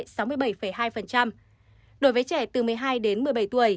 đối với trẻ từ một mươi hai đến một mươi bảy tuổi